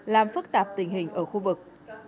làm phức tạp tình hình ở khu vực